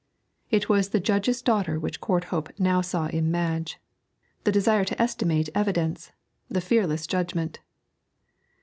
It was the judge's daughter which Courthope now saw in Madge the desire to estimate evidence, the fearless judgment.